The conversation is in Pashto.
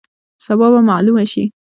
سبا به معلومه شي.